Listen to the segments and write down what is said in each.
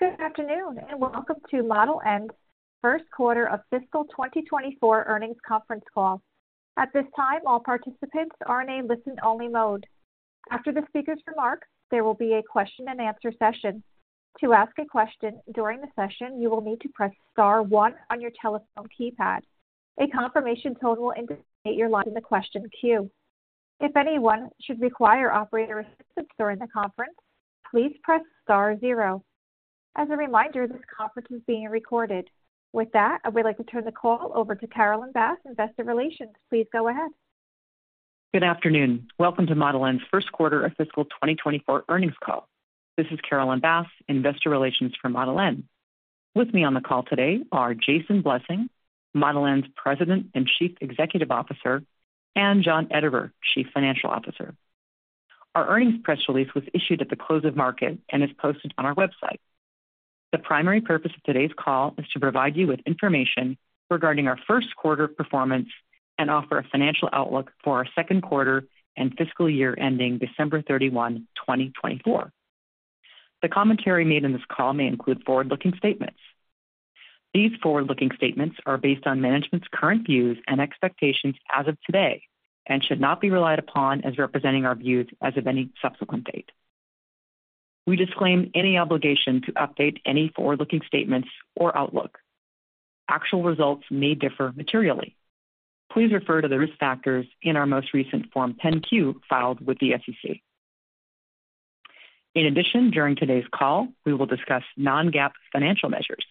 Good afternoon, and welcome to Model N's first quarter of fiscal 2024 earnings conference call. At this time, all participants are in a listen-only mode. After the speaker's remarks, there will be a question-and-answer session. To ask a question during the session, you will need to press star one on your telephone keypad. A confirmation tone will indicate you're live in the question queue. If anyone should require operator assistance during the conference, please press star zero. As a reminder, this conference is being recorded. With that, I would like to turn the call over to Carolyn Bass, Investor Relations. Please go ahead. Good afternoon. Welcome to Model N's first quarter of fiscal 2024 earnings call. This is Carolyn Bass, Investor Relations for Model N. With me on the call today are Jason Blessing, Model N's President and Chief Executive Officer, and John Ederer, Chief Financial Officer. Our earnings press release was issued at the close of market and is posted on our website. The primary purpose of today's call is to provide you with information regarding our first quarter performance and offer a financial outlook for our second quarter and fiscal year ending December 31st, 2024. The commentary made in this call may include forward-looking statements. These forward-looking statements are based on management's current views and expectations as of today and should not be relied upon as representing our views as of any subsequent date. We disclaim any obligation to update any forward-looking statements or outlook. Actual results may differ materially. Please refer to the risk factors in our most recent Form 10-Q, filed with the SEC. In addition, during today's call, we will discuss non-GAAP financial measures.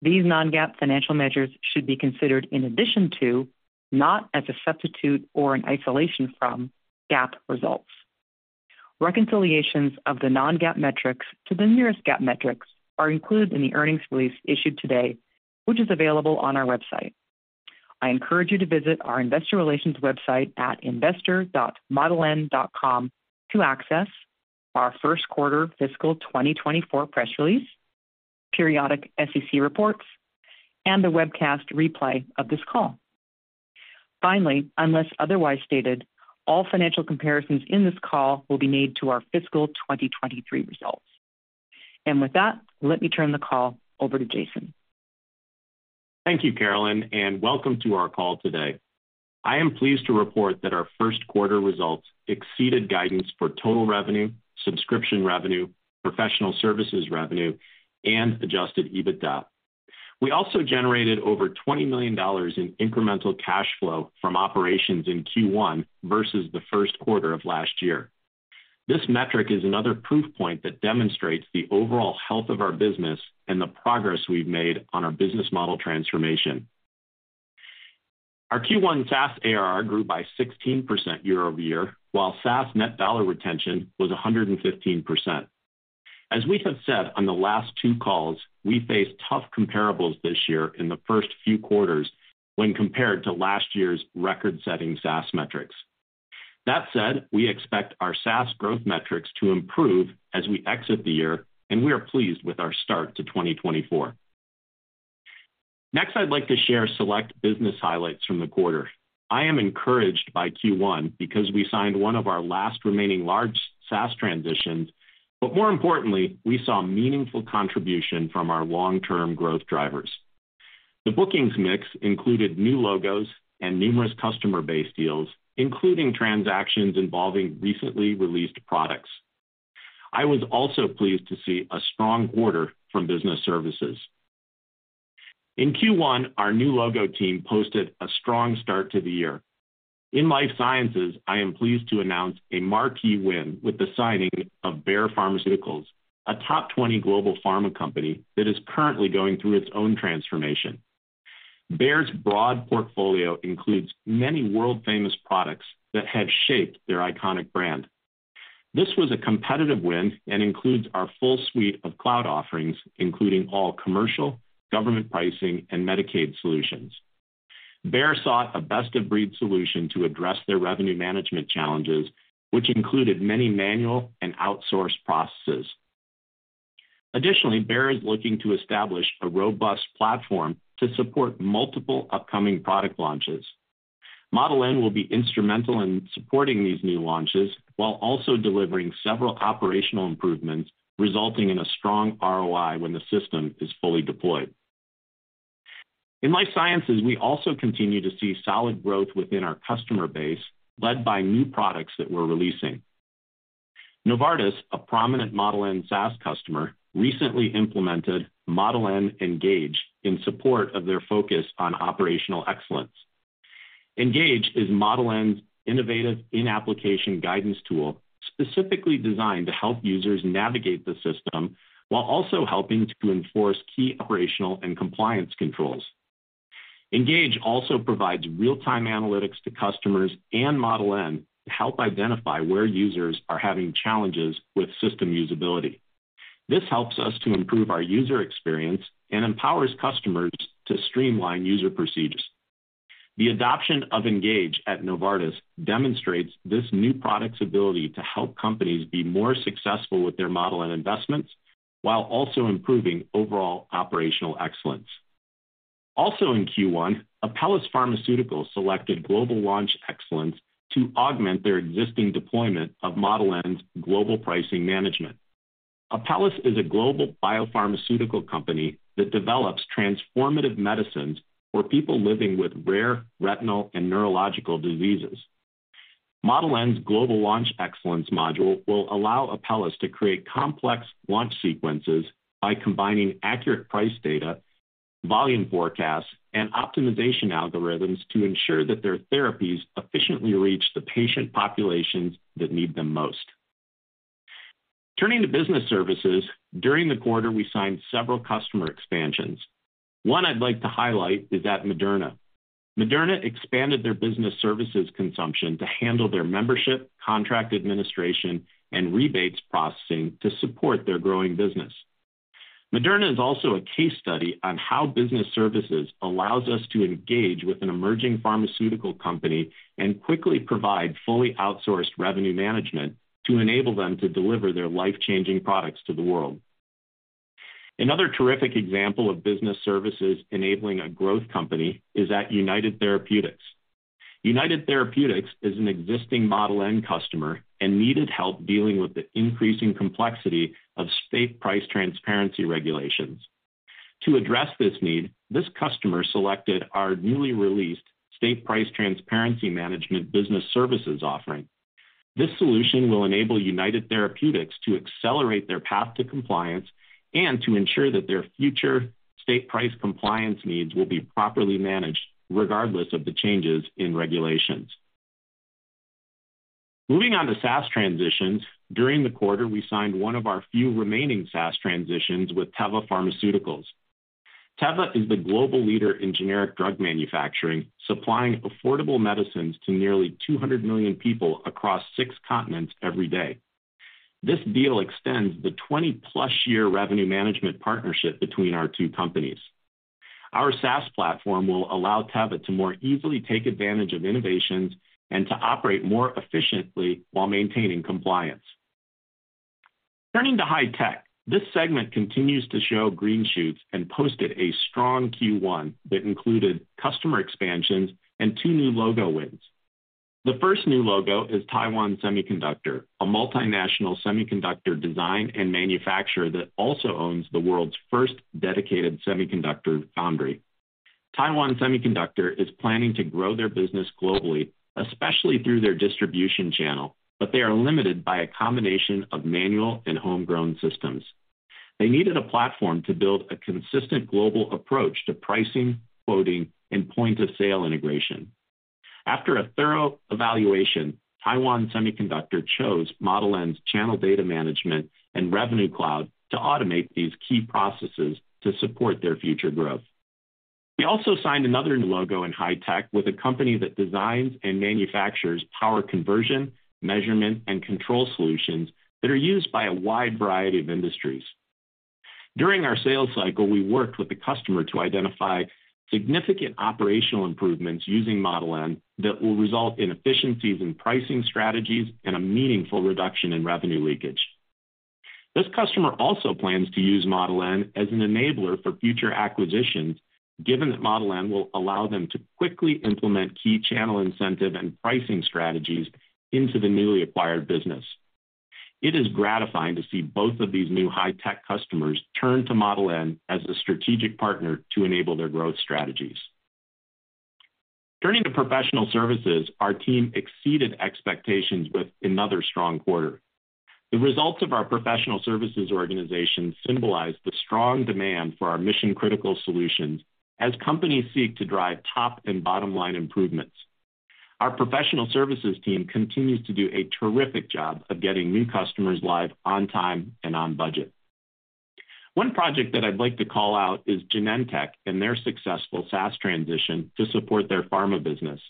These non-GAAP financial measures should be considered in addition to, not as a substitute or in isolation from, GAAP results. Reconciliations of the non-GAAP metrics to the nearest GAAP metrics are included in the earnings release issued today, which is available on our website. I encourage you to visit our investor relations website at investor.modeln.com to access our first quarter fiscal 2024 press release, periodic SEC reports, and the webcast replay of this call. Finally, unless otherwise stated, all financial comparisons in this call will be made to our fiscal 2023 results. With that, let me turn the call over to Jason. Thank you, Carolyn, and welcome to our call today. I am pleased to report that our first quarter results exceeded guidance for total revenue, subscription revenue, professional services revenue, and adjusted EBITDA. We also generated over $20 million in incremental cash flow from operations in Q1 versus the first quarter of last year. This metric is another proof point that demonstrates the overall health of our business and the progress we've made on our business model transformation. Our Q1 SaaS ARR grew by 16% year-over-year, while SaaS net dollar retention was 115%. As we have said on the last two calls, we face tough comparables this year in the first few quarters when compared to last year's record-setting SaaS metrics. That said, we expect our SaaS growth metrics to improve as we exit the year, and we are pleased with our start to 2024. Next, I'd like to share select business highlights from the quarter. I am encouraged by Q1 because we signed one of our last remaining large SaaS transitions, but more importantly, we saw meaningful contribution from our long-term growth drivers. The bookings mix included new logos and numerous customer base deals, including transactions involving recently released products. I was also pleased to see a strong order from business services. In Q1, our new logo team posted a strong start to the year. In life sciences, I am pleased to announce a marquee win with the signing of Bayer Pharmaceuticals, a top 20 global pharma company that is currently going through its own transformation. Bayer's broad portfolio includes many world-famous products that have shaped their iconic brand. This was a competitive win and includes our full suite of cloud offerings, including all commercial, government pricing, and Medicaid solutions. Bayer sought a best-of-breed solution to address their revenue management challenges, which included many manual and outsourced processes. Additionally, Bayer is looking to establish a robust platform to support multiple upcoming product launches. Model N will be instrumental in supporting these new launches while also delivering several operational improvements, resulting in a strong ROI when the system is fully deployed. In life sciences, we also continue to see solid growth within our customer base, led by new products that we're releasing. Novartis, a prominent Model N SaaS customer, recently implemented Model N Engage in support of their focus on operational excellence. Engage is Model N's innovative in-application guidance tool, specifically designed to help users navigate the system while also helping to enforce key operational and compliance controls. Engage also provides real-time analytics to customers and Model N to help identify where users are having challenges with system usability. This helps us to improve our user experience and empowers customers to streamline user procedures. The adoption of Engage at Novartis demonstrates this new product's ability to help companies be more successful with their Model N investments, while also improving overall operational excellence.... Also in Q1, Apellis Pharmaceuticals selected Global Launch Excellence to augment their existing deployment of Model N's Global Pricing Management. Apellis is a global biopharmaceutical company that develops transformative medicines for people living with rare retinal and neurological diseases. Model N's Global Launch Excellence module will allow Apellis to create complex launch sequences by combining accurate price data, volume forecasts, and optimization algorithms to ensure that their therapies efficiently reach the patient populations that need them most. Turning to business services, during the quarter, we signed several customer expansions. One I'd like to highlight is at Moderna. Moderna expanded their business services consumption to handle their membership, contract administration, and rebates processing to support their growing business. Moderna is also a case study on how business services allows us to engage with an emerging pharmaceutical company and quickly provide fully outsourced revenue management to enable them to deliver their life-changing products to the world. Another terrific example of business services enabling a growth company is at United Therapeutics. United Therapeutics is an existing Model N customer and needed help dealing with the increasing complexity of state price transparency regulations. To address this need, this customer selected our newly released State Price Transparency Management Business Services offering. This solution will enable United Therapeutics to accelerate their path to compliance and to ensure that their future state price compliance needs will be properly managed, regardless of the changes in regulations. Moving on to SaaS transitions. During the quarter, we signed one of our few remaining SaaS transitions with Teva Pharmaceuticals. Teva is the global leader in generic drug manufacturing, supplying affordable medicines to nearly 200 million people across six continents every day. This deal extends the 20-plus-year revenue management partnership between our two companies. Our SaaS platform will allow Teva to more easily take advantage of innovations and to operate more efficiently while maintaining compliance. Turning to high tech. This segment continues to show green shoots and posted a strong Q1 that included customer expansions and two new logo wins. The first new logo is Taiwan Semiconductor, a multinational semiconductor design and manufacturer that also owns the world's first dedicated semiconductor foundry. Taiwan Semiconductor is planning to grow their business globally, especially through their distribution channel, but they are limited by a combination of manual and homegrown systems. They needed a platform to build a consistent global approach to pricing, quoting, and point-of-sale integration. After a thorough evaluation, Taiwan Semiconductor chose Model N's Channel Data Management and Revenue Cloud to automate these key processes to support their future growth. We also signed another new logo in high tech with a company that designs and manufactures power conversion, measurement, and control solutions that are used by a wide variety of industries. During our sales cycle, we worked with the customer to identify significant operational improvements using Model N that will result in efficiencies in pricing strategies and a meaningful reduction in revenue leakage. This customer also plans to use Model N as an enabler for future acquisitions, given that Model N will allow them to quickly implement key channel incentive and pricing strategies into the newly acquired business. It is gratifying to see both of these new high-tech customers turn to Model N as a strategic partner to enable their growth strategies. Turning to professional services, our team exceeded expectations with another strong quarter. The results of our professional services organization symbolize the strong demand for our mission-critical solutions as companies seek to drive top and bottom-line improvements. Our professional services team continues to do a terrific job of getting new customers live on time and on budget. One project that I'd like to call out is Genentech and their successful SaaS transition to support their pharma business.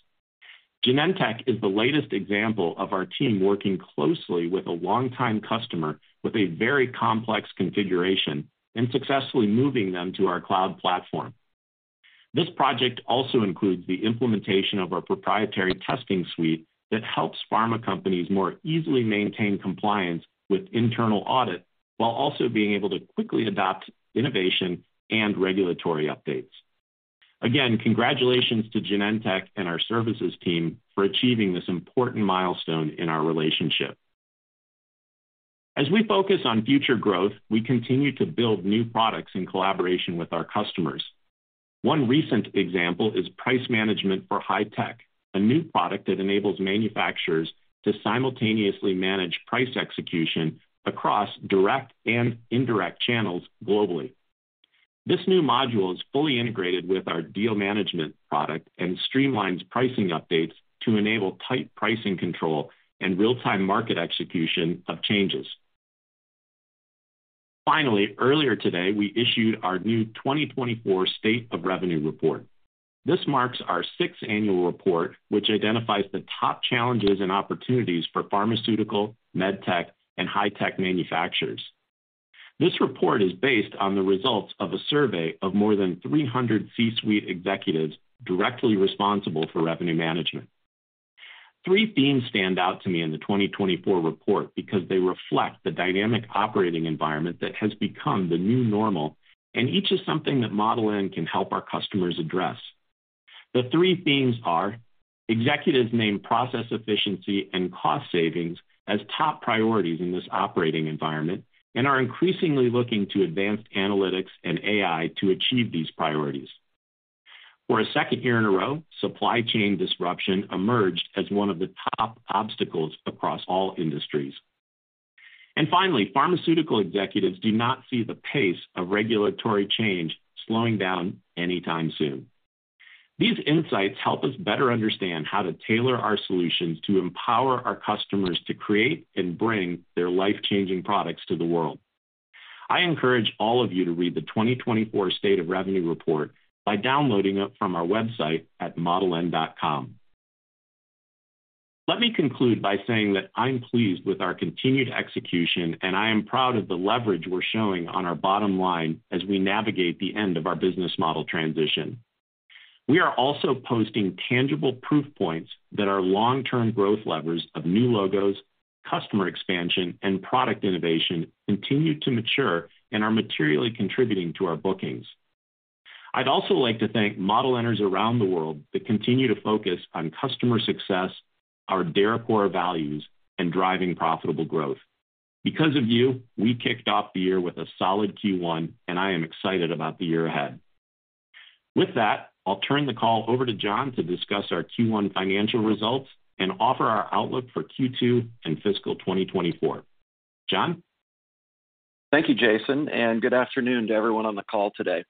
Genentech is the latest example of our team working closely with a longtime customer with a very complex configuration and successfully moving them to our cloud platform. This project also includes the implementation of our proprietary testing suite that helps pharma companies more easily maintain compliance with internal audit, while also being able to quickly adopt innovation and regulatory updates. Again, congratulations to Genentech and our services team for achieving this important milestone in our relationship. As we focus on future growth, we continue to build new products in collaboration with our customers. One recent example is Price Management for High Tech, a new product that enables manufacturers to simultaneously manage price execution across direct and indirect channels globally. This new module is fully integrated with our Deal Management product and streamlines pricing updates to enable tight pricing control and real-time market execution of changes. Finally, earlier today, we issued our new 2024 State of Revenue Report. This marks our sixth annual report, which identifies the top challenges and opportunities for pharmaceutical, med tech, and high-tech manufacturers. This report is based on the results of a survey of more than 300 C-suite executives directly responsible for revenue management. Three themes stand out to me in the 2024 report because they reflect the dynamic operating environment that has become the new normal, and each is something that Model N can help our customers address. The three themes are, executives name process efficiency and cost savings as top priorities in this operating environment and are increasingly looking to advanced analytics and AI to achieve these priorities. For a second year in a row, supply chain disruption emerged as one of the top obstacles across all industries. Finally, pharmaceutical executives do not see the pace of regulatory change slowing down anytime soon. These insights help us better understand how to tailor our solutions to empower our customers to create and bring their life-changing products to the world. I encourage all of you to read the 2024 State of Revenue Report by downloading it from our website at modeln.com. Let me conclude by saying that I'm pleased with our continued execution, and I am proud of the leverage we're showing on our bottom line as we navigate the end of our business model transition. We are also posting tangible proof points that our long-term growth levers of new logos, customer expansion, and product innovation continue to mature and are materially contributing to our bookings. I'd also like to thank Model Ners around the world that continue to focus on customer success, our DARE Core values, and driving profitable growth. Because of you, we kicked off the year with a solid Q1, and I am excited about the year ahead. With that, I'll turn the call over to John to discuss our Q1 financial results and offer our outlook for Q2 and fiscal 2024. John? Thank you, Jason, and good afternoon to everyone on the call today.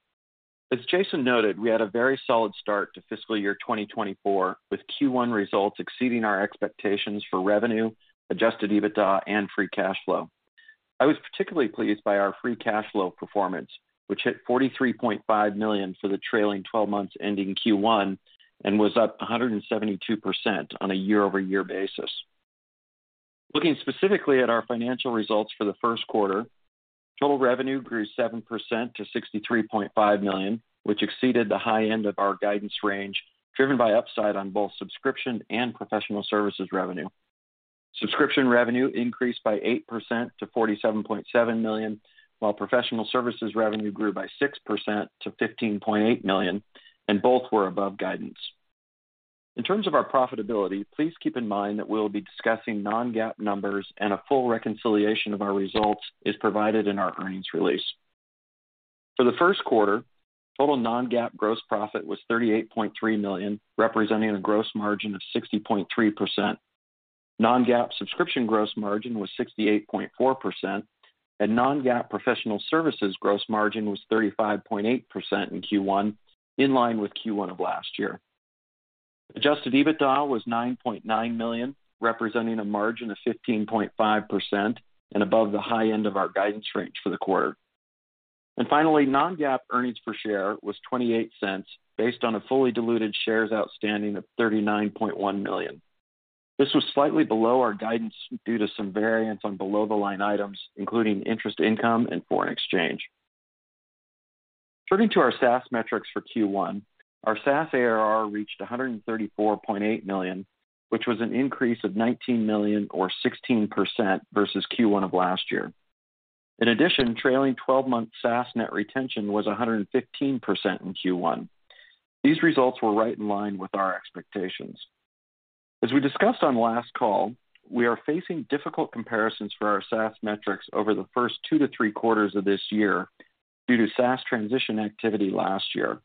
As Jason noted, we had a very solid start to fiscal year 2024, with Q1 results exceeding our expectations for revenue, Adjusted EBITDA, and Free Cash Flow. I was particularly pleased by our Free Cash Flow performance, which hit $43.5 million for the trailing twelve months ending Q1 and was up 172% on a year-over-year basis. Looking specifically at our financial results for the first quarter, total revenue grew 7% to $63.5 million, which exceeded the high end of our guidance range, driven by upside on both subscription and professional services revenue. Subscription revenue increased by 8% to $47.7 million, while professional services revenue grew by 6% to $15.8 million, and both were above guidance. In terms of our profitability, please keep in mind that we'll be discussing non-GAAP numbers, and a full reconciliation of our results is provided in our earnings release. For the first quarter, total non-GAAP gross profit was $38.3 million, representing a gross margin of 60.3%. Non-GAAP subscription gross margin was 68.4%, and non-GAAP professional services gross margin was 35.8% in Q1, in line with Q1 of last year. Adjusted EBITDA was $9.9 million, representing a margin of 15.5% and above the high end of our guidance range for the quarter. And finally, non-GAAP earnings per share was $0.28, based on a fully diluted shares outstanding of 39.1 million. This was slightly below our guidance due to some variance on below-the-line items, including interest, income, and foreign exchange. Turning to our SaaS metrics for Q1, our SaaS ARR reached $134.8 million, which was an increase of $19 million or 16% versus Q1 of last year. In addition, trailing-twelve-month SaaS net retention was 115% in Q1. These results were right in line with our expectations. As we discussed on last call, we are facing difficult comparisons for our SaaS metrics over the first 2-3 quarters of this year due to SaaS transition activity last year.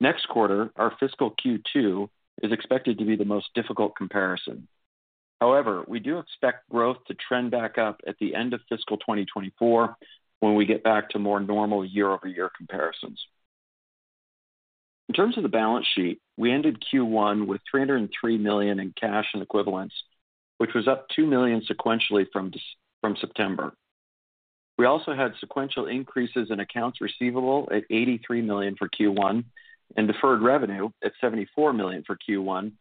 Next quarter, our fiscal Q2, is expected to be the most difficult comparison. However, we do expect growth to trend back up at the end of fiscal 2024, when we get back to more normal year-over-year comparisons. In terms of the balance sheet, we ended Q1 with $303 million in cash and equivalents, which was up $2 million sequentially from September. We also had sequential increases in accounts receivable at $83 million for Q1 and deferred revenue at $74 million for Q1,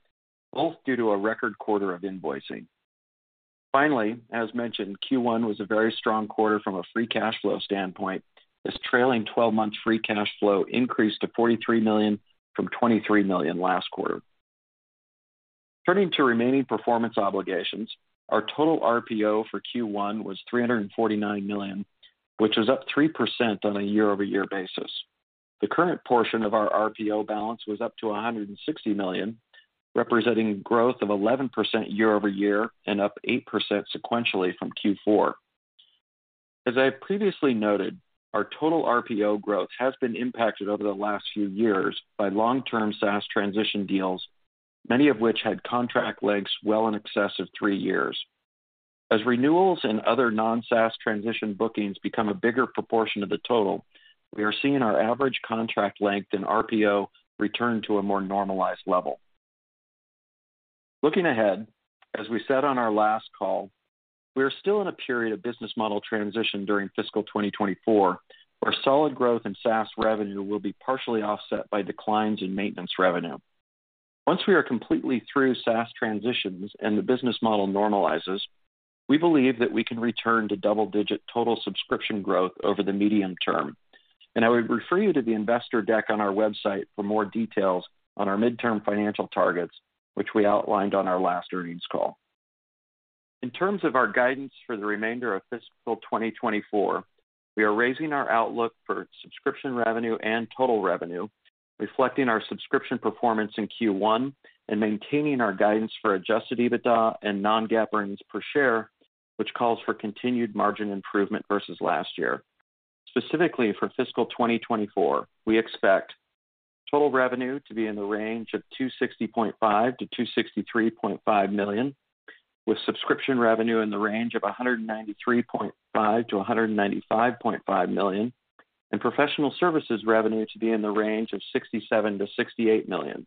both due to a record quarter of invoicing. Finally, as mentioned, Q1 was a very strong quarter from a free cash flow standpoint, as trailing-twelve-month free cash flow increased to $43 million from $23 million last quarter. Turning to remaining performance obligations, our total RPO for Q1 was $349 million, which was up 3% on a year-over-year basis. The current portion of our RPO balance was up to $160 million, representing growth of 11% year over year and up 8% sequentially from Q4. As I have previously noted, our total RPO growth has been impacted over the last few years by long-term SaaS transition deals, many of which had contract lengths well in excess of three years. As renewals and other non-SaaS transition bookings become a bigger proportion of the total, we are seeing our average contract length in RPO return to a more normalized level. Looking ahead, as we said on our last call, we are still in a period of business model transition during fiscal 2024, where solid growth in SaaS revenue will be partially offset by declines in maintenance revenue. Once we are completely through SaaS transitions and the business model normalizes,... We believe that we can return to double-digit total subscription growth over the medium term. I would refer you to the investor deck on our website for more details on our midterm financial targets, which we outlined on our last earnings call. In terms of our guidance for the remainder of fiscal 2024, we are raising our outlook for subscription revenue and total revenue, reflecting our subscription performance in Q1, and maintaining our guidance for adjusted EBITDA and non-GAAP earnings per share, which calls for continued margin improvement versus last year. Specifically, for fiscal 2024, we expect total revenue to be in the range of $260.5 million-$263.5 million, with subscription revenue in the range of $193.5 million-$195.5 million, and professional services revenue to be in the range of $67 million-$68 million.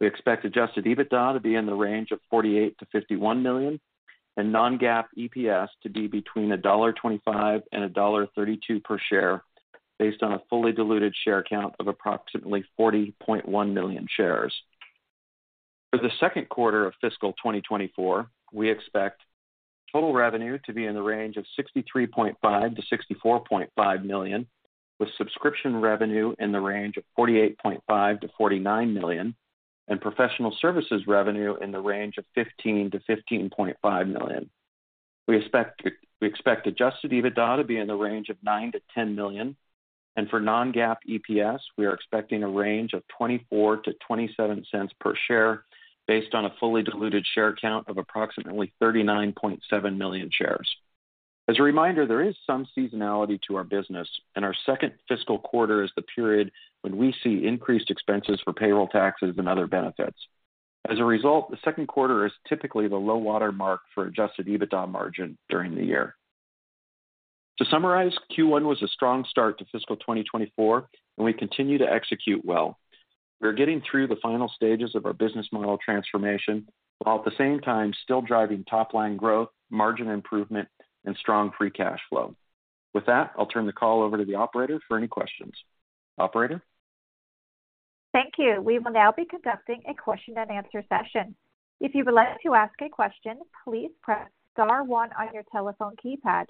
We expect Adjusted EBITDA to be in the range of $48 million-$51 million, and non-GAAP EPS to be between $1.25 and $1.32 per share, based on a fully diluted share count of approximately 40.1 million shares. For the second quarter of fiscal 2024, we expect total revenue to be in the range of $63.5 million-$64.5 million, with subscription revenue in the range of $48.5 million-$49 million, and professional services revenue in the range of $15 million-$15.5 million. We expect adjusted EBITDA to be in the range of $9 million-$10 million, and for Non-GAAP EPS, we are expecting a range of 24-27 cents per share, based on a fully diluted share count of approximately 39.7 million shares. As a reminder, there is some seasonality to our business, and our second fiscal quarter is the period when we see increased expenses for payroll taxes and other benefits. As a result, the second quarter is typically the low water mark for adjusted EBITDA margin during the year. To summarize, Q1 was a strong start to fiscal 2024, and we continue to execute well. We are getting through the final stages of our business model transformation, while at the same time, still driving top-line growth, margin improvement, and strong free cash flow. With that, I'll turn the call over to the operator for any questions. Operator? Thank you. We will now be conducting a question and answer session. If you would like to ask a question, please press star one on your telephone keypad.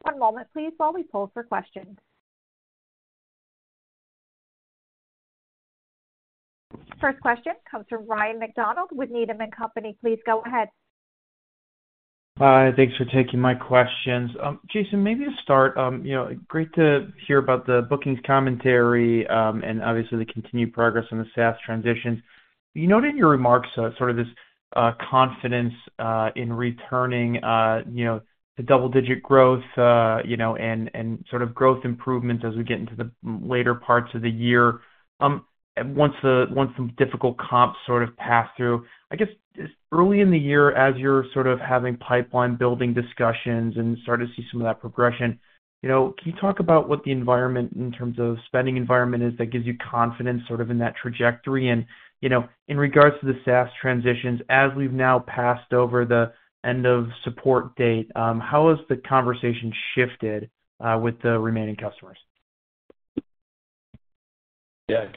One moment, please, while we pull for questions. First question comes from Ryan MacDonald with Needham and Company. Please go ahead. Hi, thanks for taking my questions. Jason, maybe to start, you know, great to hear about the bookings commentary, and obviously, the continued progress in the SaaS transition. You noted in your remarks, sort of this confidence in returning, you know, to double-digit growth, you know, and sort of growth improvement as we get into the later parts of the year. And once some difficult comps sort of pass through, I guess, just early in the year, as you're sort of having pipeline building discussions and start to see some of that progression, you know, can you talk about what the environment in terms of spending environment is, that gives you confidence sort of in that trajectory? You know, in regards to the SaaS transitions, as we've now passed over the end of support date, how has the conversation shifted with the remaining customers? Yeah, good,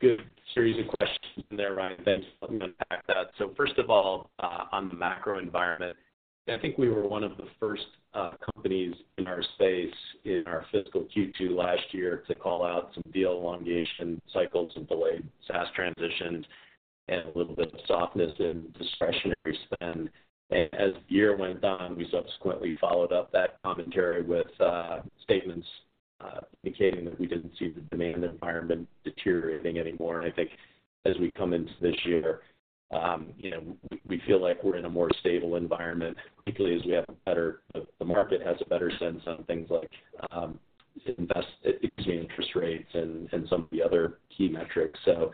good series of questions there, Ryan. Thanks. Let me unpack that. So first of all, on the macro environment, I think we were one of the first companies in our space in our fiscal Q2 last year to call out some deal elongation cycles and delayed SaaS transitions, and a little bit of softness in discretionary spend. And as the year went on, we subsequently followed up that commentary with statements indicating that we didn't see the demand environment deteriorating anymore. And I think as we come into this year, you know, we feel like we're in a more stable environment, particularly as we have a better... The market has a better sense on things like investment between interest rates and some of the other key metrics. So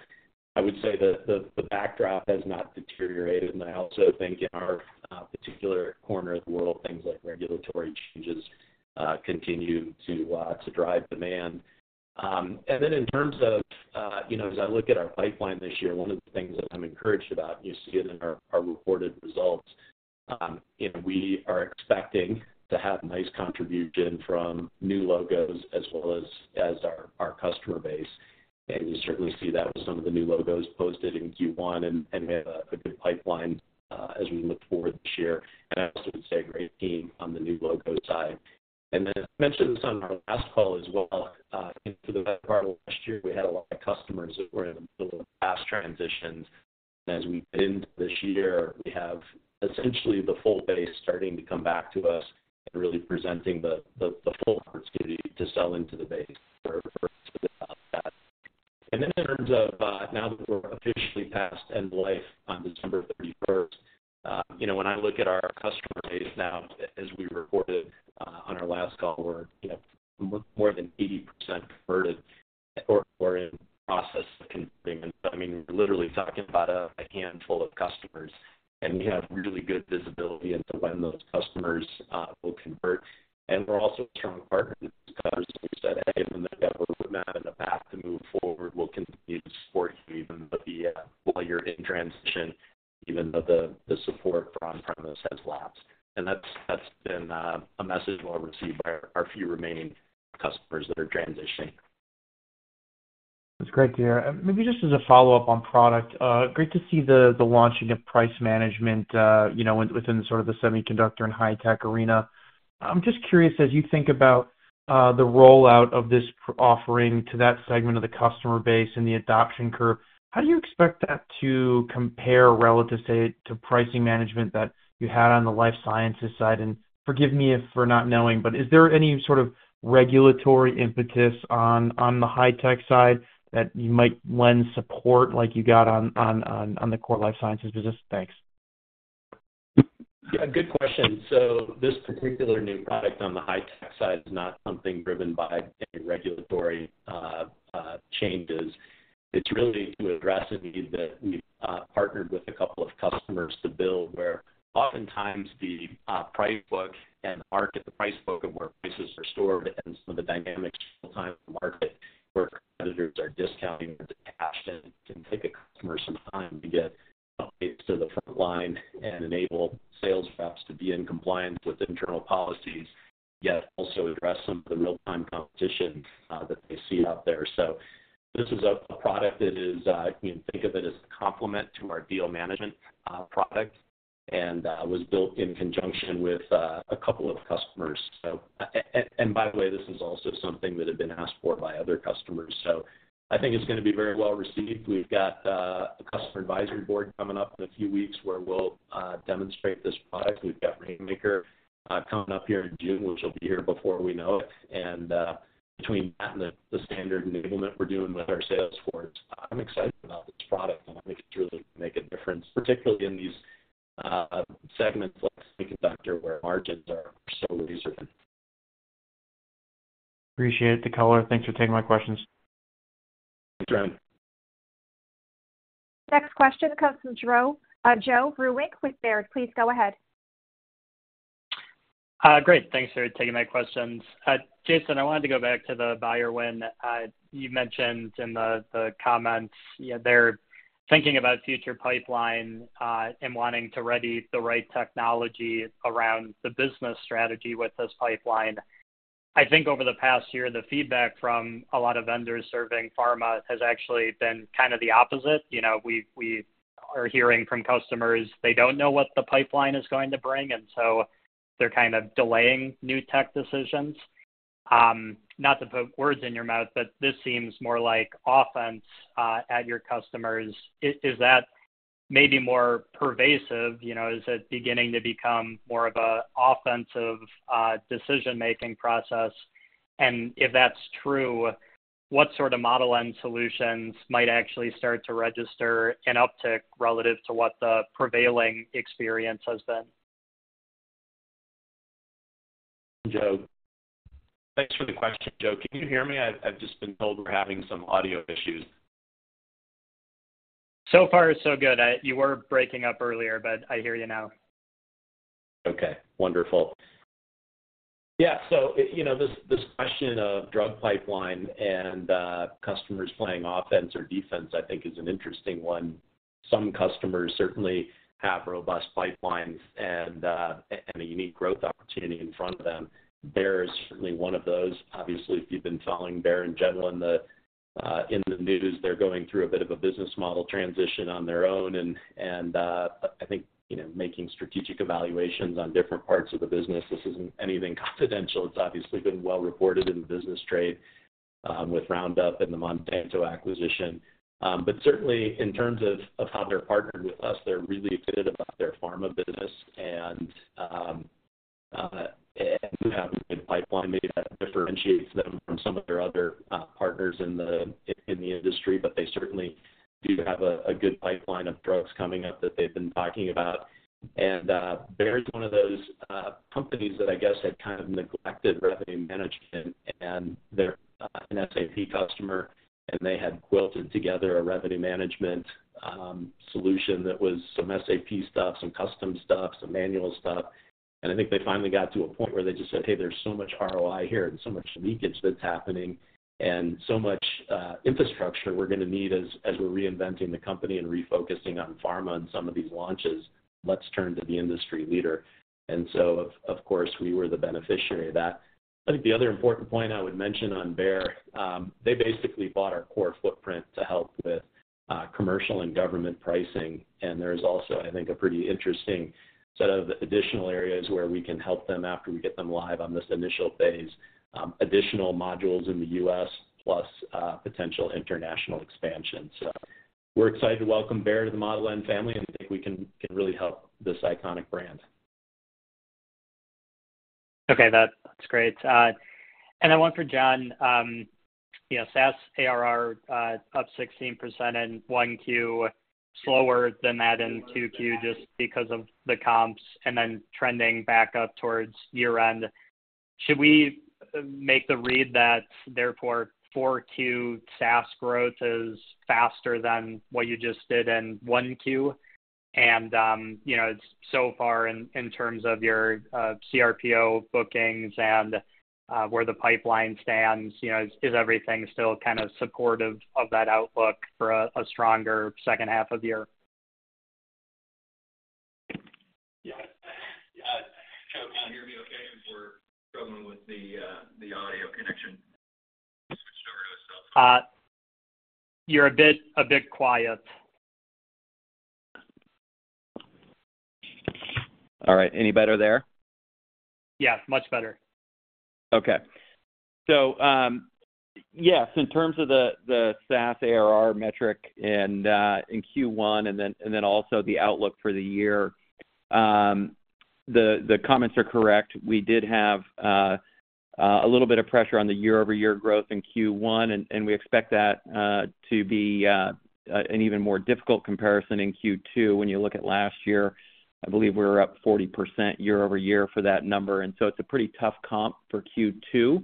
I would say that the backdrop has not deteriorated, and I also think in our particular corner of the world, things like regulatory changes continue to drive demand. And then in terms of, you know, as I look at our pipeline this year, one of the things that I'm encouraged about, and you see it in our reported results, and we are expecting to have nice contribution from new logos as well as our customer base. And we certainly see that with some of the new logos posted in Q1, and we have a good pipeline as we look forward this year, and I also would say a great team on the new logo side. And then I mentioned this on our last call as well. Into the back part of last year, we had a lot of customers that were in the middle of past transitions. As we end this year, we have essentially the full base starting to come back to us and really presenting the full opportunity to sell into the base. And then in terms of, now that we're officially past end-of-life on December thirty-first, you know, when I look at our customer base now, as we reported on our last call, we're, you know, more than 80% converted or in process of converting. I mean, we're literally talking about a handful of customers, and we have really good visibility into when those customers will convert. And we're also strong partners. We've said, "Hey, when they have a roadmap and a path to move forward, we'll continue to support you even while you're in transition, even though the support for on-premise has lapsed." And that's been a message well received by our few remaining customers that are transitioning.... That's great to hear. Maybe just as a follow-up on product, great to see the launching of price management, you know, within sort of the semiconductor and high-tech arena. I'm just curious, as you think about the rollout of this offering to that segment of the customer base and the adoption curve, how do you expect that to compare relative, say, to pricing management that you had on the life sciences side? And forgive me if for not knowing, but is there any sort of regulatory impetus on the high-tech side that you might lend support like you got on the core life sciences business? Thanks. Yeah, good question. So this particular new product on the high-tech side is not something driven by any regulatory changes. It's really to address a need that we've partnered with a couple of customers to build, where oftentimes the price book and market, the price book and where prices are stored and some of the dynamics real-time market, where competitors are discounting with the cash in, can take a customer some time to get updates to the front line and enable sales reps to be in compliance with internal policies, yet also address some of the real-time competition that they see out there. So this is a product that you can think of it as a complement to our Deal Management product, and was built in conjunction with a couple of customers. So, and by the way, this is also something that had been asked for by other customers, so I think it's gonna be very well received. We've got a customer advisory board coming up in a few weeks, where we'll demonstrate this product. We've got Rainmaker coming up here in June, which will be here before we know it. And between that and the standard enablement we're doing with our sales force, I'm excited about this product, and I think it's really make a difference, particularly in these segments like semiconductor, where margins are so razor thin. Appreciate the color. Thanks for taking my questions. Thanks, Ryan. Next question comes from Joe Vruwink with Baird. Please go ahead. Great. Thanks for taking my questions. Jason, I wanted to go back to the Bayer win. You mentioned in the comments, you know, they're thinking about future pipeline and wanting to ready the right technology around the business strategy with this pipeline. I think over the past year, the feedback from a lot of vendors serving pharma has actually been kind of the opposite. You know, we are hearing from customers, they don't know what the pipeline is going to bring, and so they're kind of delaying new tech decisions. Not to put words in your mouth, but this seems more like offense at your customers. Is that maybe more pervasive? You know, is it beginning to become more of a offensive decision-making process? If that's true, what sort of Model N solutions might actually start to register an uptick relative to what the prevailing experience has been? Joe. Thanks for the question, Joe. Can you hear me? I've just been told we're having some audio issues. So far, so good. I... You were breaking up earlier, but I hear you now. Okay, wonderful. Yeah, so, you know, this, this question of drug pipeline and customers playing offense or defense, I think, is an interesting one. Some customers certainly have robust pipelines and and a unique growth opportunity in front of them. Bayer is certainly one of those. Obviously, if you've been following Bayer in general, in the news, they're going through a bit of a business model transition on their own, and, I think, you know, making strategic evaluations on different parts of the business. This isn't anything confidential. It's obviously been well reported in the business trade, with Roundup and the Monsanto acquisition. But certainly, in terms of how they're partnered with us, they're really excited about their pharma business and we have a good pipeline maybe that differentiates them from some of their other partners in the industry. But they certainly do have a good pipeline of drugs coming up that they've been talking about. And Bayer is one of those companies that I guess had kind of neglected revenue management, and they're an SAP customer, and they had quilted together a revenue management solution that was some SAP stuff, some custom stuff, some manual stuff. I think they finally got to a point where they just said: Hey, there's so much ROI here and so much leakage that's happening and so much infrastructure we're gonna need as we're reinventing the company and refocusing on pharma and some of these launches, let's turn to the industry leader. And so of course, we were the beneficiary of that. I think the other important point I would mention on Bayer, they basically bought our core footprint to help with commercial and government pricing, and there's also, I think, a pretty interesting set of additional areas where we can help them after we get them live on this initial phase, additional modules in the U.S., plus potential international expansion. So we're excited to welcome Bayer to the Model N family, and I think we can really help this iconic brand. Okay, that's great. And then one for John. You know, SaaS ARR up 16% in Q1, slower than that in Q2, just because of the comps, and then trending back up towards year-end. Should we make the read that therefore, Q4 SaaS growth is faster than what you just did in Q1? And you know, so far in terms of your CRPO bookings and where the pipeline stands, you know, is everything still kind of supportive of that outlook for a stronger second half of the year?... with the audio connection. Switch over to a cell? You're a bit quiet. All right. Any better there? Yeah, much better. Okay. So, yes, in terms of the SaaS ARR metric and in Q1, and then also the outlook for the year, the comments are correct. We did have a little bit of pressure on the year-over-year growth in Q1, and we expect that to be an even more difficult comparison in Q2. When you look at last year, I believe we were up 40% year-over-year for that number, and so it's a pretty tough comp for Q2.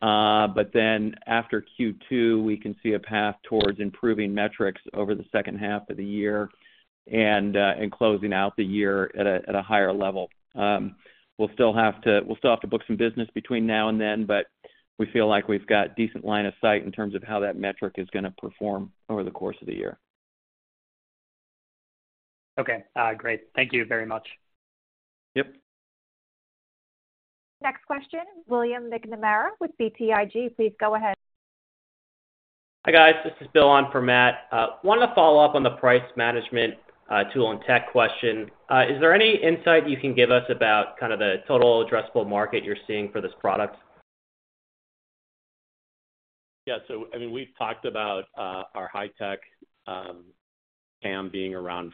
But then after Q2, we can see a path towards improving metrics over the second half of the year and closing out the year at a higher level. We'll still have to book some business between now and then, but we feel like we've got decent line of sight in terms of how that metric is gonna perform over the course of the year. Okay. Great. Thank you very much. Yep. Next question, William McNamara with BTIG. Please go ahead. Hi, guys. This is Bill on for Matt. Wanted to follow up on the price management tool and tech question. Is there any insight you can give us about kind of the total addressable market you're seeing for this product? Yeah. So, I mean, we've talked about our high-tech TAM being around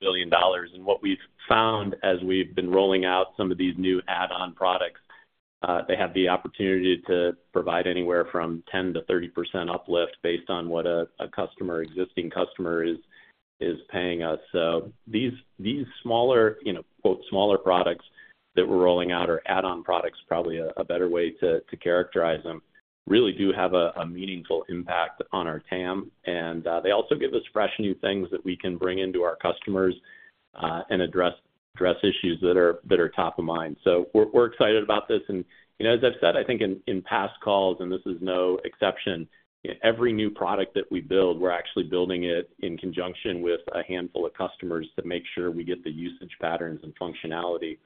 $1 billion. And what we've found as we've been rolling out some of these new add-on products, they have the opportunity to provide anywhere from 10%-30% uplift based on what an existing customer is paying us. So these smaller, you know, quoted "smaller products" that we're rolling out or add-on products, probably a better way to characterize them, really do have a meaningful impact on our TAM. And they also give us fresh, new things that we can bring into our customers and address issues that are top of mind. So we're excited about this. You know, as I've said, I think in past calls, and this is no exception, every new product that we build, we're actually building it in conjunction with a handful of customers to make sure we get the usage patterns and functionality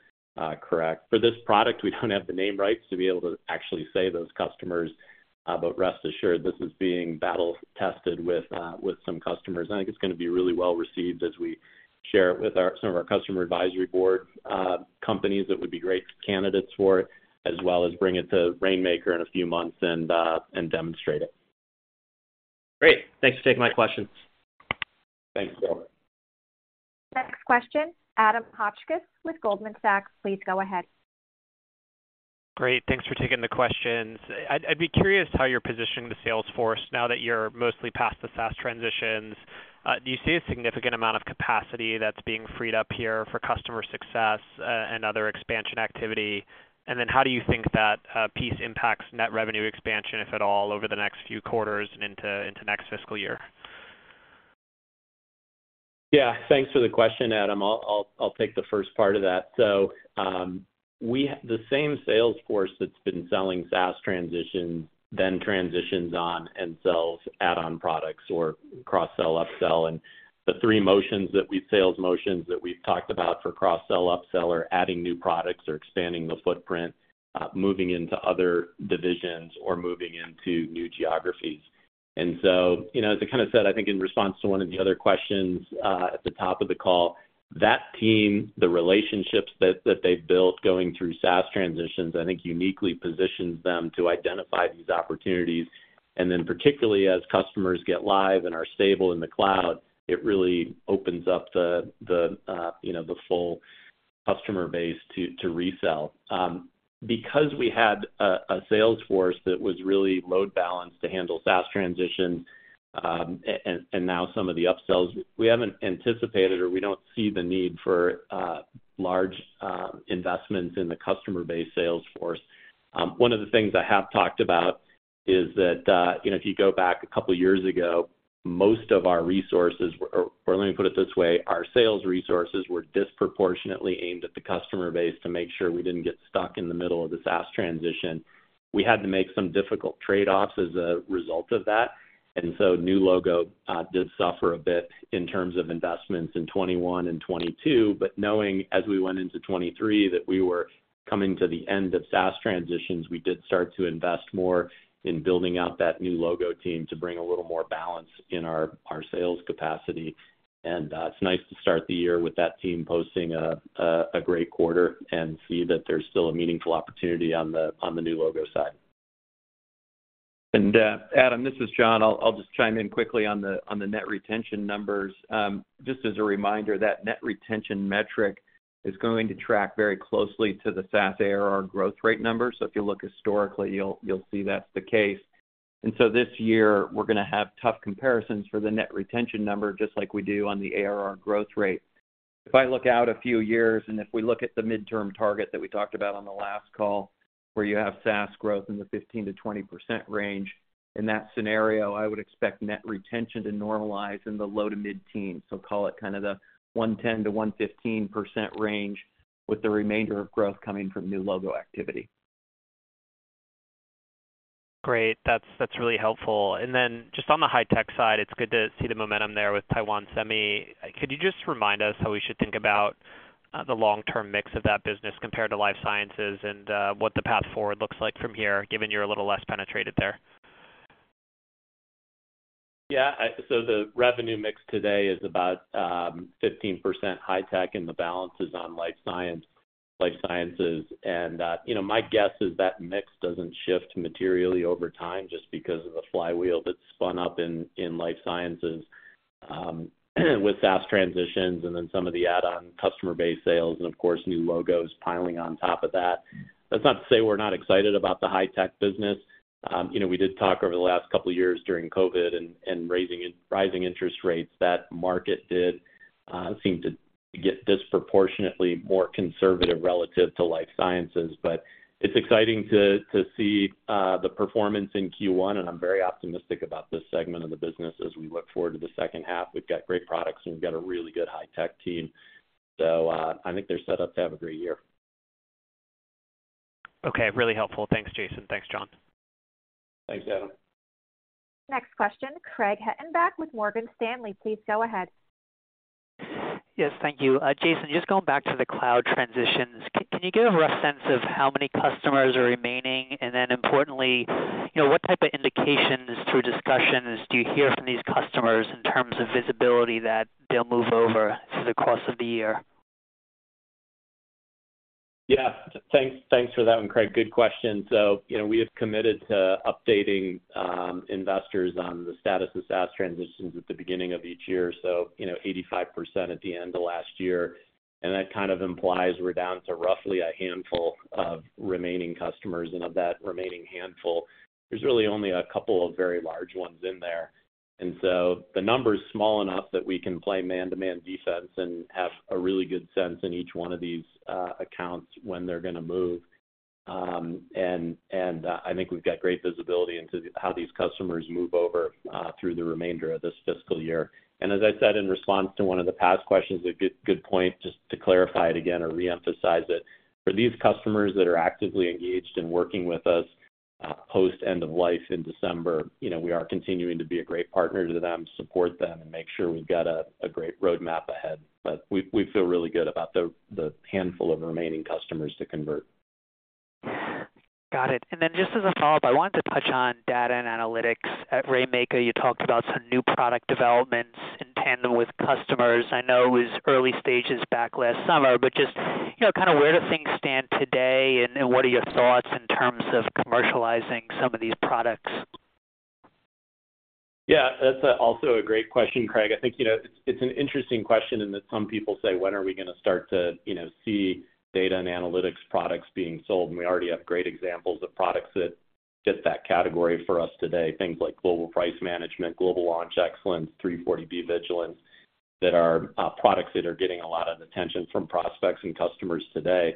correct. For this product, we don't have the name rights to be able to actually say those customers, but rest assured, this is being battle tested with some customers. I think it's gonna be really well received as we share it with our some of our customer advisory board companies that would be great candidates for it, as well as bring it to Rainmaker in a few months and demonstrate it. Great. Thanks for taking my questions. Thanks, Will. Next question, Adam Hotchkiss with Goldman Sachs. Please go ahead. Great. Thanks for taking the questions. I'd be curious how you're positioning the sales force now that you're mostly past the SaaS transitions. Do you see a significant amount of capacity that's being freed up here for customer success, and other expansion activity? And then how do you think that piece impacts net revenue expansion, if at all, over the next few quarters and into next fiscal year? Yeah, thanks for the question, Adam. I'll take the first part of that. So, we have the same sales force that's been selling SaaS transitions, then transitions on and sells add-on products or cross-sell, upsell. And the three sales motions that we've talked about for cross-sell, upsell are adding new products or expanding the footprint, moving into other divisions or moving into new geographies. And so, you know, as I kind of said, I think in response to one of the other questions, at the top of the call, that team, the relationships that they've built going through SaaS transitions, I think uniquely positions them to identify these opportunities. And then, particularly as customers get live and are stable in the cloud, it really opens up the full customer base to resell. Because we had a sales force that was really load-balanced to handle SaaS transition, and now some of the upsells, we haven't anticipated or we don't see the need for large investments in the customer-based sales force. One of the things I have talked about is that, you know, if you go back a couple of years ago, most of our resources were... Or let me put it this way, our sales resources were disproportionately aimed at the customer base to make sure we didn't get stuck in the middle of the SaaS transition. We had to make some difficult trade-offs as a result of that, and so new logo did suffer a bit in terms of investments in 2021 and 2022. But knowing as we went into 2023 that we were coming to the end of SaaS transitions, we did start to invest more in building out that new logo team to bring a little more balance in our sales capacity. And it's nice to start the year with that team posting a great quarter and see that there's still a meaningful opportunity on the new logo side. Adam, this is John. I'll just chime in quickly on the net retention numbers. Just as a reminder, that net retention metric is going to track very closely to the SaaS ARR growth rate number. So if you look historically, you'll see that's the case. And so this year, we're gonna have tough comparisons for the net retention number, just like we do on the ARR growth rate. If I look out a few years, and if we look at the midterm target that we talked about on the last call, where you have SaaS growth in the 15%-20% range, in that scenario, I would expect net retention to normalize in the low to mid-teens. So call it kind of the 110%-115% range, with the remainder of growth coming from new logo activity.... Great! That's, that's really helpful. And then just on the high-tech side, it's good to see the momentum there with Taiwan Semi. Could you just remind us how we should think about the long-term mix of that business compared to life sciences, and what the path forward looks like from here, given you're a little less penetrated there? Yeah, so the revenue mix today is about 15% high tech, and the balance is on life sciences. And, you know, my guess is that mix doesn't shift materially over time just because of the flywheel that's spun up in life sciences with SaaS transitions and then some of the add-on customer base sales and, of course, new logos piling on top of that. That's not to say we're not excited about the high tech business. You know, we did talk over the last couple of years during COVID and rising interest rates, that market did seem to get disproportionately more conservative relative to life sciences. But it's exciting to see the performance in Q1, and I'm very optimistic about this segment of the business as we look forward to the second half. We've got great products, and we've got a really good high-tech team. So, I think they're set up to have a great year. Okay, really helpful. Thanks, Jason. Thanks, John. Thanks, Adam. Next question, Craig Hettenbach with Morgan Stanley. Please go ahead. Yes, thank you. Jason, just going back to the cloud transitions, can you give a rough sense of how many customers are remaining? And then importantly, you know, what type of indications through discussions do you hear from these customers in terms of visibility that they'll move over through the course of the year? Yeah, thanks. Thanks for that one, Craig. Good question. So, you know, we have committed to updating investors on the status of SaaS transitions at the beginning of each year. So, you know, 85% at the end of last year, and that kind of implies we're down to roughly a handful of remaining customers. And of that remaining handful, there's really only a couple of very large ones in there. And so the number is small enough that we can play man-to-man defense and have a really good sense in each one of these accounts when they're going to move. I think we've got great visibility into how these customers move over through the remainder of this fiscal year. As I said in response to one of the past questions, a good, good point, just to clarify it again or reemphasize it. For these customers that are actively engaged in working with us, post-end of life in December, you know, we are continuing to be a great partner to them, support them, and make sure we've got a great roadmap ahead. But we feel really good about the handful of remaining customers to convert. Got it. And then just as a follow-up, I wanted to touch on data and analytics. At Rainmaker, you talked about some new product developments in tandem with customers. I know it was early stages back last summer, but just, you know, kind of where do things stand today, and, and what are your thoughts in terms of commercializing some of these products? Yeah, that's also a great question, Craig. I think, you know, it's, it's an interesting question in that some people say: "When are we going to start to, you know, see data and analytics products being sold?" And we already have great examples of products that fit that category for us today. Things like Global Pricing Management, Global Launch Excellence, 340B Vigilance, that are products that are getting a lot of attention from prospects and customers today.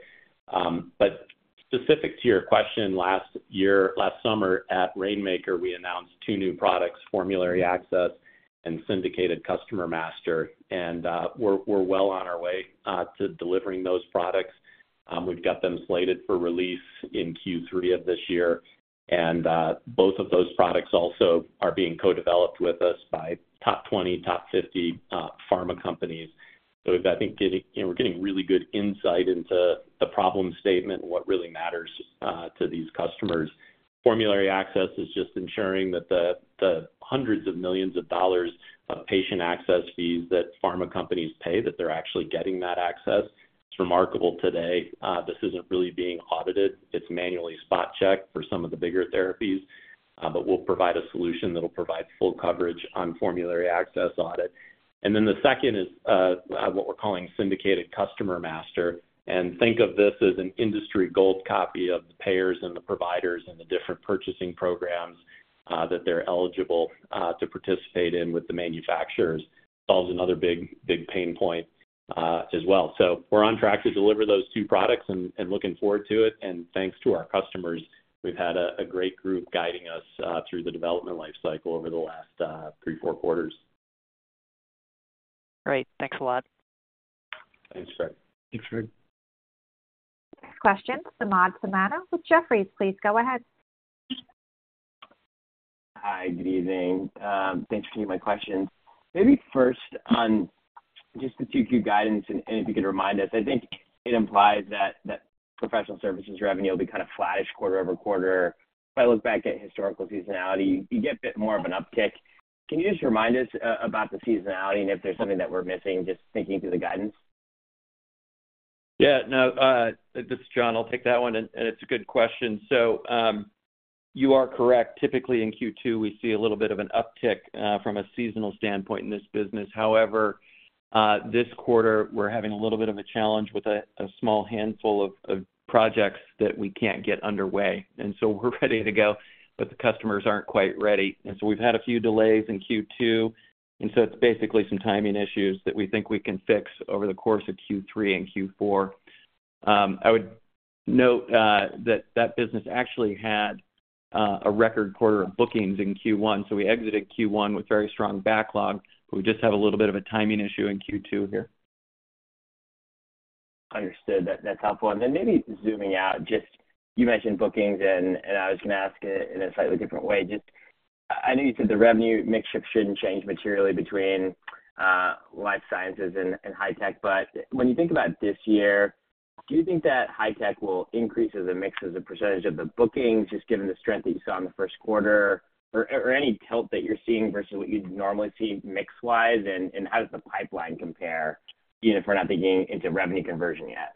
But specific to your question, last year, last summer at Rainmaker, we announced two new products, Formulary Access and Syndicated Customer Master, and we're well on our way to delivering those products. We've got them slated for release in Q3 of this year, and both of those products also are being co-developed with us by top 20, top 50 pharma companies. So I think we're getting really good insight into the problem statement and what really matters to these customers. Formulary Access is just ensuring that the hundreds of millions of dollars of patient access fees that pharma companies pay, that they're actually getting that access. It's remarkable today. This isn't really being audited. It's manually spot-checked for some of the bigger therapies, but we'll provide a solution that'll provide full coverage on Formulary Access audit. And then the second is what we're calling Syndicated Customer Master, and think of this as an industry gold copy of the payers and the providers and the different purchasing programs that they're eligible to participate in with the manufacturers. Solves another big, big pain point as well. So we're on track to deliver those two products and looking forward to it. Thanks to our customers, we've had a great group guiding us through the development life cycle over the last 3, 4 quarters. Great. Thanks a lot. Thanks, Craig. Thanks, Craig. Next question, Samad Samana with Jefferies. Please go ahead. Hi, good evening. Thanks for taking my questions. Maybe first on just the 2Q guidance, and if you could remind us, I think it implies that professional services revenue will be kind of flat-ish quarter-over-quarter. If I look back at historical seasonality, you get a bit more of an uptick. Can you just remind us about the seasonality and if there's something that we're missing, just thinking through the guidance? Yeah. No, this is John. I'll take that one, and it's a good question. So, you are correct. Typically in Q2, we see a little bit of an uptick from a seasonal standpoint in this business. However, this quarter, we're having a little bit of a challenge with a small handful of projects that we can't get underway, and so we're ready to go, but the customers aren't quite ready. And so we've had a few delays in Q2, and so it's basically some timing issues that we think we can fix over the course of Q3 and Q4. I would note that that business actually had a record quarter of bookings in Q1, so we exited Q1 with very strong backlog. We just have a little bit of a timing issue in Q2 here. Understood. That, that's helpful. And then maybe zooming out, just, you mentioned bookings, and, and I was gonna ask it in a slightly different way. Just, I know you said the revenue mix shift shouldn't change materially between, life sciences and, and high tech, but when you think about this year, do you think that high tech will increase as a mix as a percentage of the bookings, just given the strength that you saw in the first quarter, or, or any tilt that you're seeing versus what you'd normally see mix-wise? And, and how does the pipeline compare, even if we're not digging into revenue conversion yet?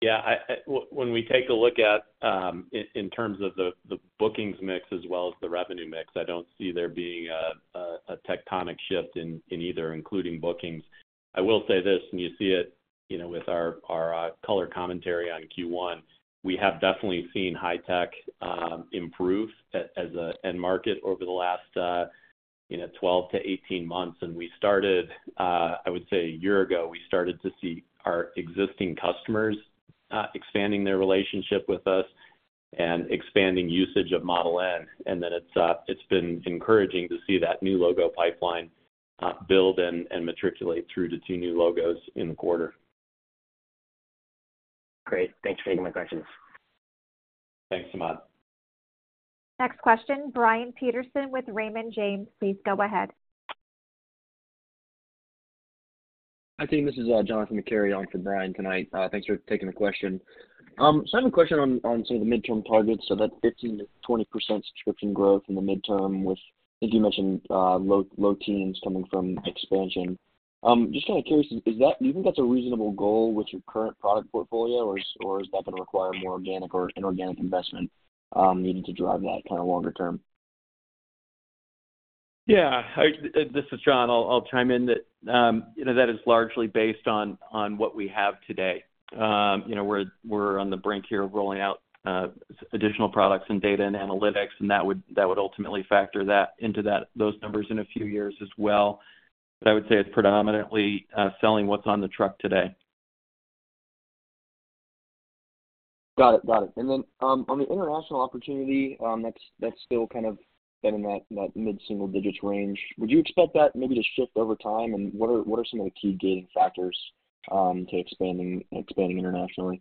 Yeah, when we take a look at, in terms of the bookings mix as well as the revenue mix, I don't see there being a tectonic shift in either, including bookings. I will say this, and you see it, you know, with our color commentary on Q1, we have definitely seen high tech improve as a end market over the last, you know, 12-18 months. And we started, I would say a year ago, we started to see our existing customers expanding their relationship with us and expanding usage of Model N. And then it's been encouraging to see that new logo pipeline build and matriculate through to 2 new logos in the quarter. Great. Thanks for taking my questions. Thanks, Samad. Next question, Brian Peterson with Raymond James. Please go ahead. Hi, team. This is Jonathan McCary on for Brian tonight. Thanks for taking the question. So I have a question on some of the midterm targets. So that 15%-20% subscription growth in the midterm, which I think you mentioned, low teens coming from expansion. Just kind of curious, is that, do you think that's a reasonable goal with your current product portfolio, or is that gonna require more organic or inorganic investment needing to drive that kind of longer term? Yeah, this is John. I'll chime in that, you know, that is largely based on what we have today. You know, we're on the brink here of rolling out additional products and data and analytics, and that would ultimately factor that into those numbers in a few years as well. But I would say it's predominantly selling what's on the truck today. Got it. Got it. And then, on the international opportunity, that's still kind of been in that mid-single digits range. Would you expect that maybe to shift over time, and what are some of the key gating factors to expanding internationally?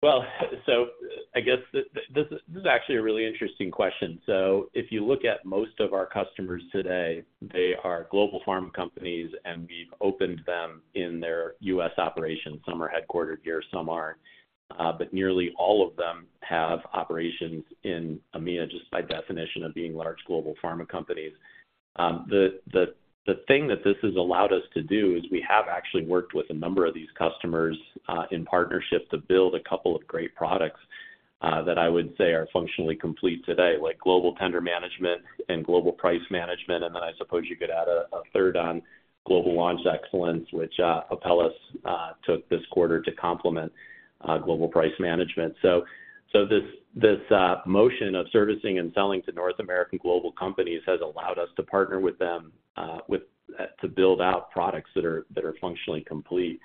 Well, so I guess this is actually a really interesting question. So if you look at most of our customers today, they are global pharma companies, and we've opened them in their U.S. operations. Some are headquartered here, some aren't, but nearly all of them have operations in EMEA, just by definition of being large global pharma companies. The thing that this has allowed us to do is we have actually worked with a number of these customers in partnership to build a couple of great products that I would say are functionally complete today, like Global Tender Management and Global Price Management, and then I suppose you could add a third one, Global Launch Excellence, which Apellis took this quarter to complement Global Price Management. So this motion of servicing and selling to North American global companies has allowed us to partner with them to build out products that are functionally complete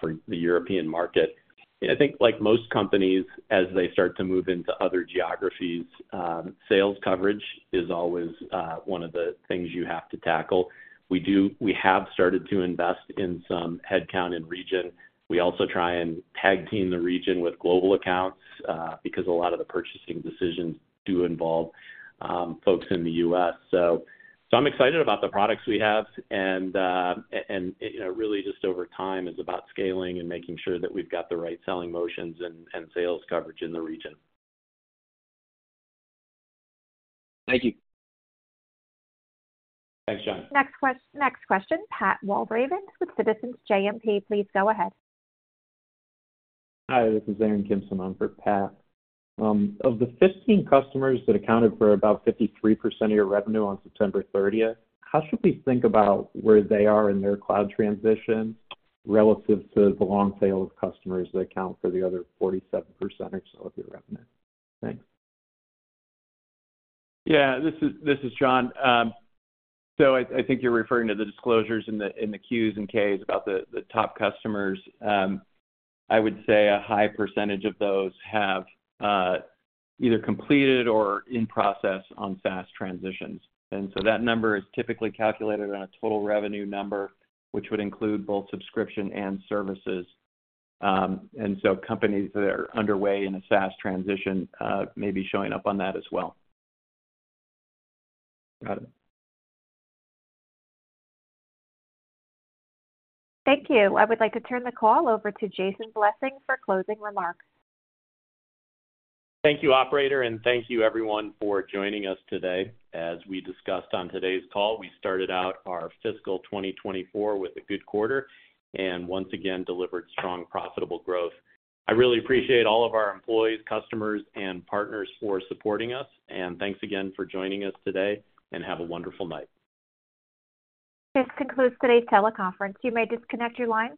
for the European market. And I think like most companies, as they start to move into other geographies, sales coverage is always one of the things you have to tackle. We have started to invest in some headcount in region. We also try and tag team the region with global accounts because a lot of the purchasing decisions do involve folks in the US. So I'm excited about the products we have and, you know, really just over time, it's about scaling and making sure that we've got the right selling motions and sales coverage in the region. Thank you. Thanks, John. Next question, Pat Walravens with Citizens JMP. Please go ahead. Hi, this is Aaron Kim on for Pat. Of the 15 customers that accounted for about 53% of your revenue on September thirtieth, how should we think about where they are in their cloud transition relative to the long tail of customers that account for the other 47% or so of your revenue? Thanks. Yeah. This is John. So I think you're referring to the disclosures in the Qs and Ks about the top customers. I would say a high percentage of those have either completed or in process on SaaS transitions. So that number is typically calculated on a total revenue number, which would include both subscription and services. Companies that are underway in a SaaS transition may be showing up on that as well. Got it. Thank you. I would like to turn the call over to Jason Blessing for closing remarks. Thank you, operator, and thank you everyone for joining us today. As we discussed on today's call, we started out our fiscal 2024 with a good quarter and once again delivered strong, profitable growth. I really appreciate all of our employees, customers, and partners for supporting us, and thanks again for joining us today, and have a wonderful night. This concludes today's teleconference. You may disconnect your lines.